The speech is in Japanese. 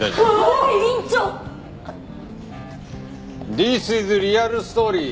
ディスイズリアルストーリー。